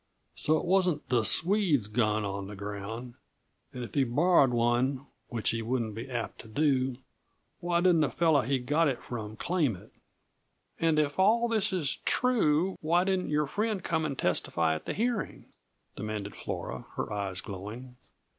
So it wasn't the Swedes gun on the ground and if he borrowed one, which he wouldn't be apt to do, why didn't the fellow he got it from claim it?" "And if all this is true, why didn't your friend come and testify at the hearing?" demanded Flora, her eyes glowing.